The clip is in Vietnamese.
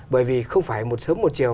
bởi vì không phải một sớm một chiều